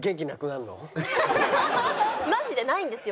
マジでないんですよ。